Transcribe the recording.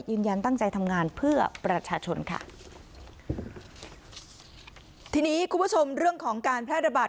ยืนยันตั้งใจทำงานเพื่อประชาชนค่ะทีนี้คุณผู้ชมเรื่องของการแพร่ระบาด